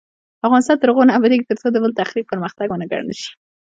افغانستان تر هغو نه ابادیږي، ترڅو د بل تخریب پرمختګ ونه ګڼل شي.